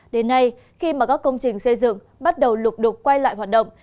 đến nay khi mà các công trình xây dựng bắt đầu lục đục quay lại hoạt động